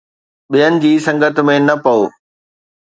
ٻين جي سنگت ۾ نه پئو